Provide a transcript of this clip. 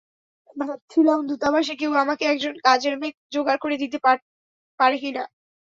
ভাবছিলাম দূতাবাসে কেউ আমাকে একজন কাজের মেয়ে যোগাড় করে দিতে পারে কিনা।